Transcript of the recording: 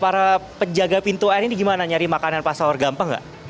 pertama tama para penjaga pintu air ini gimana nyari makanan pas sahur gampang gak